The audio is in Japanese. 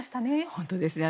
本当ですね。